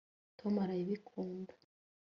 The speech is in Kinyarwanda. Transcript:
tom arabikunda